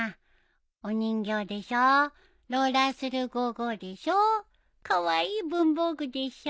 お人形でしょローラースルーゴーゴーでしょカワイイ文房具でしょ。